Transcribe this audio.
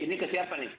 ini ke siapa nih